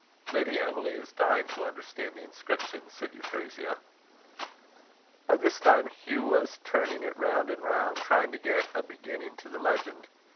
"Lady Emily is dying to understand the inscription," said Euphrasia. By this time Hugh was turning it round and round, trying to get a beginning to the legend.